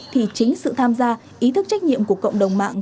thì chính sự tham gia ý thức trách nhiệm của cộng đồng mạng